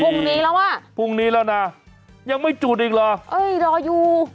พรุ่งนี้แล้วอ่ะพรุ่งนี้แล้วนะยังไม่จุดอีกเหรอเอ้ยรออยู่